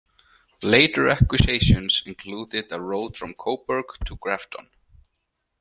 Later acquisitions included a road from Cobourg to Grafton.